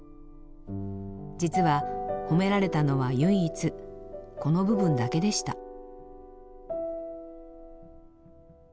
実は褒められたのは唯一この部分だけでした。